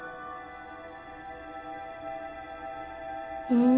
うん。